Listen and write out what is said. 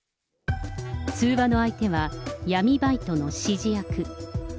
通話の相手は、闇バイトの指示役。